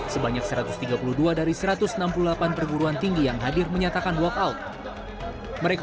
sebanyak satu ratus tiga puluh dua dari satu ratus enam puluh delapan perguruan tinggi yang hadir menyatakan walkout mereka